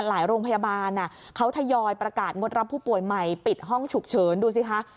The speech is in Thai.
โรงพยาบาลเขาทยอยประกาศงดรับผู้ป่วยใหม่ปิดห้องฉุกเฉินดูสิคะ